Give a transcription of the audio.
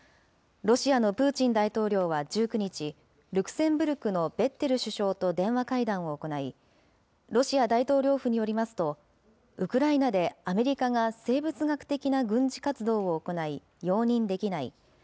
ロシアのプーチン大統領は１９日、ルクセンブルクのベッテル首相と電話会談を行い、ロシア大統領府によりますと、ウクライナでアメリカが生物学的な軍事活動を行い、容認できない。